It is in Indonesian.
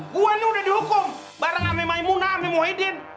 gue ini udah dihukum bareng ami maimunah ami muhyiddin